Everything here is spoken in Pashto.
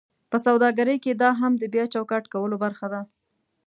په سوداګرۍ کې دا هم د بیا چوکاټ کولو برخه ده: